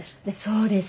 そうです。